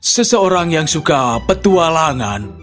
seseorang yang suka petualangan